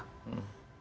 mereka tidak bisa bantah